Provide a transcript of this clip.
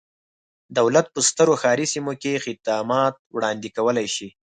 دولت په سترو ښاري سیمو کې خدمات وړاندې کولای شي.